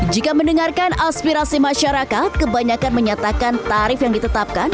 jika mendengarkan aspirasi masyarakat kebanyakan menyatakan tarif yang ditetapkan